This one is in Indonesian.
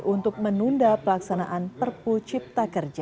untuk menunda pelaksanaan perpu cipta kerja